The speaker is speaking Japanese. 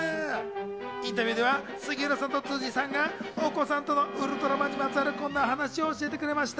インタビューでは杉浦さんと辻さんがお子さんとの『ウルトラマン』にまつわるこんなエピソードを教えてくれました。